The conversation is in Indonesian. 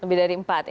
lebih dari empat